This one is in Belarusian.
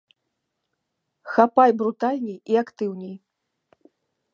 Хапай брутальней і актыўней!